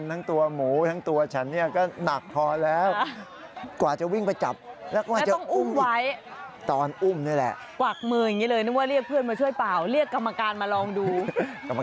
สต๊อทต้องเกร็งแขนเกร็งขาหมูก็เกร็งขาเกร็งขา